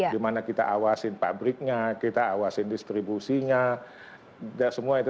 di mana kita awasin pabriknya kita awasin distribusinya dan semua itu